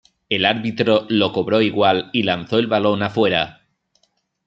El árbitro lo cobró igual y lanzó el balón afuera.